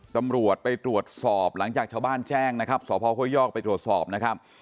ตำรวจไปตรวจสอบหลังจากชาวบ้านแจ้งนะครับสพห้วยยอกไปตรวจสอบนะครับ